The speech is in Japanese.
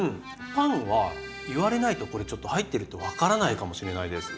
パンは言われないとこれちょっと入ってるって分からないかもしれないです。